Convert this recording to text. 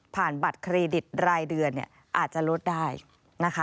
บัตรเครดิตรายเดือนเนี่ยอาจจะลดได้นะคะ